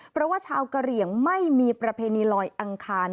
เพราะว่าชาวกะเหลี่ยงไม่มีประเพณีลอยอังคาร